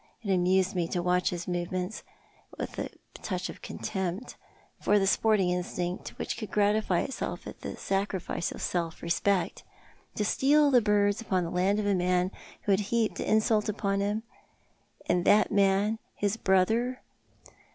It amused me to watch his movements, with a Cora expatiates. 283 touch of contempt for the sporting instinct which could gratify itself at the sacrifice of self respect. To steal the birds upon the land of a man who had heaped insult upon him— and that man his brother